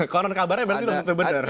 konon kabarnya berarti sudah benar